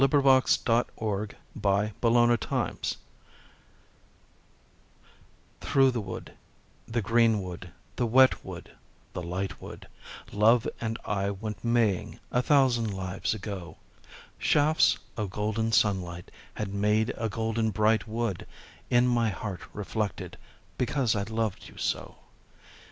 ROSEMARY 51 THROUGH THE WOOD THKOUGH the wood, the green wood, the wet wood, the light wood, Love and I went maying a thousand lives ago ; Shafts of golden sunlight had made a golden bright wood In my heart reflected, because I loved you so.